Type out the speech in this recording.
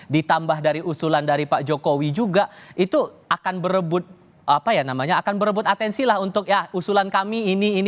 ditambah dari usulan dari pak jokowi juga itu akan berebut atensi lah untuk ya usulan kami ini ini